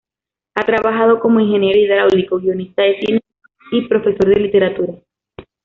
Ha trabajado como ingeniero hidráulico, guionista de cine y profesor de literatura.